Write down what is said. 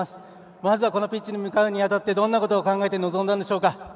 まずはこのピッチに向かうに当たってどんなことを考えて臨んだんでしょうか。